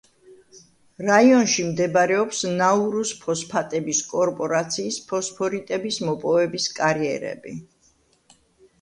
რაიონში მდებარეობს ნაურუს ფოსფატების კორპორაციის ფოსფორიტების მოპოვების კარიერები.